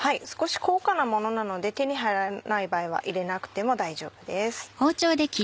少し高価なものなので手に入らない場合は入れなくても大丈夫です。